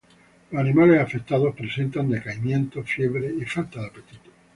Los animales afectados presentan decaimiento, fiebre y falta de apetito.